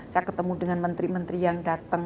saya ketemu dengan menteri menteri yang datang